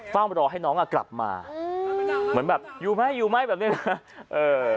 เฝ้ารอให้น้องอ่ะกลับมาเหมือนแบบอยู่ไหมอยู่ไหมแบบนี้นะเออ